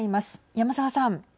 山澤さん。